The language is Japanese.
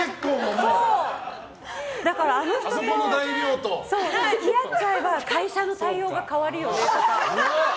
あの人と付き合っちゃえば会社の対応が変わるよねとか。